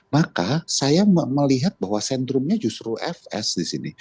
maka saya melihat bahwa sentrumnya justru fs disini